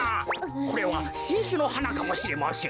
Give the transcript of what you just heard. これはしんしゅのはなかもしれません。